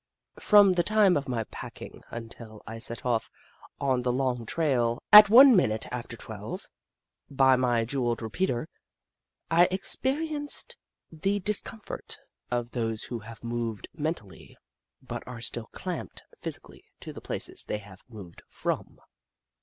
From the time of my packing until I set off on the long trail, at one minute after twelve, by my jewelled repeater, I experienced the dis comfort of those who have moved mentally, but are still clamped, physically, to the places they have moved from.